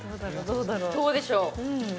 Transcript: どうでしょう？